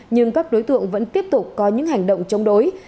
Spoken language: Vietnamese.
nhưng các đối tượng vẫn tiếp tục có những hành động chống đối